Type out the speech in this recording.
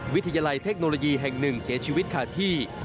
วิทยาลัยเทคโนโลยีแห่งหนึ่งเสียชีวิตขาดที่